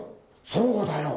そうだよ。